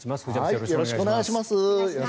よろしくお願いします。